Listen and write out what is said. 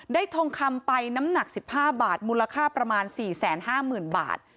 ได้ทงคำไปน้ำหนักสิบห้าบาทมูลค่าประมาณสี่แสนห้าหมื่นบาท